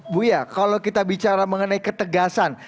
bu ya kalau kita bicara mengenai ketegasan